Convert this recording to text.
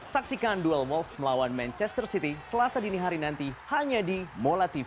saksikan duel wolves melawan manchester city selasa dini hari nanti hanya di molatv